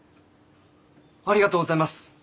ありがとうございます！